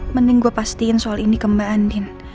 mending gue pastiin soal ini ke mbak andin